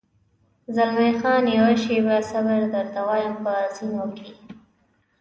زلمی خان: یوه شېبه صبر، درته وایم، په زینو کې.